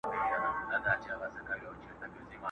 په دې ښار كي يې جوړ كړى يو ميدان وو؛